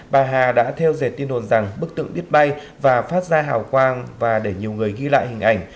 bà hà đã theo dệt tin đồn rằng bức tượng biết bay và phát ra hảo quang và để nhiều người ghi lại hình ảnh